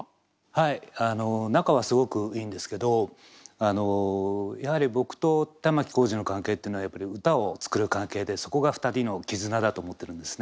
はいあの仲はすごくいいんですけどあのやはり僕と玉置浩二の関係っていうのはやっぱり歌をつくる関係でそこが２人の絆だと思ってるんですね。